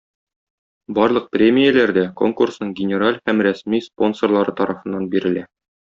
Барлык премияләр дә конкурсның генераль һәм рәсми спонсорлары тарафыннан бирелә.